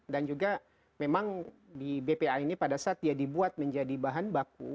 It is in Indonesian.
dan juga memang di bpa ini pada saat dia dibuat menjadi bahan baku